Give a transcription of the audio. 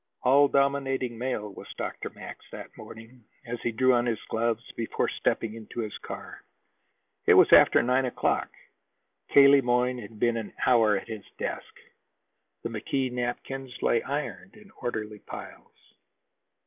All dominating male was Dr. Max, that morning, as he drew on his gloves before stepping into his car. It was after nine o'clock. K. Le Moyne had been an hour at his desk. The McKee napkins lay ironed in orderly piles.